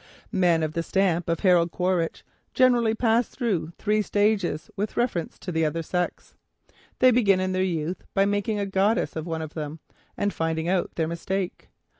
Men of the stamp of Harold Quaritch generally pass through three stages with reference to the other sex. They begin in their youth by making a goddess of one of them, and finding out their mistake.